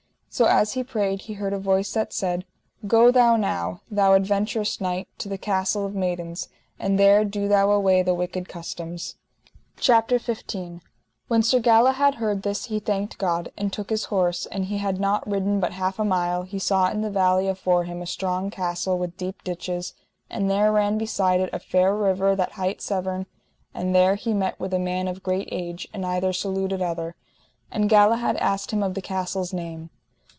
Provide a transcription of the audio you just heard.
So as he prayed he heard a voice that said: Go thou now, thou adventurous knight, to the Castle of Maidens, and there do thou away the wicked customs. CHAPTER XV. How Sir Galahad fought with the knights of the castle, and destroyed the wicked custom. When Sir Galahad heard this he thanked God, and took his horse; and he had not ridden but half a mile, he saw in the valley afore him a strong castle with deep ditches, and there ran beside it a fair river that hight Severn; and there he met with a man of great age, and either saluted other, and Galahad asked him the castle's name.